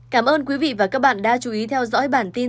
cảm ơn quý vị và các bạn đã chú ý theo dõi bản tin